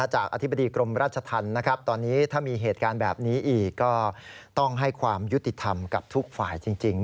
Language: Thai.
อธิบดีกรมราชธรรมนะครับตอนนี้ถ้ามีเหตุการณ์แบบนี้อีกก็ต้องให้ความยุติธรรมกับทุกฝ่ายจริง